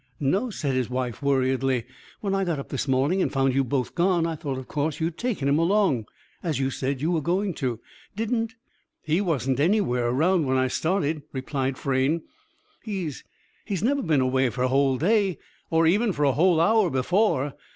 "No," said his wife, worriedly. "When I got up this morning and found you both gone, I thought of course you'd taken him along, as you said you were going to. Didn't " "He wasn't anywhere around when I started," replied Frayne. "He's he's never been away for a whole day, or even for a whole hour, before.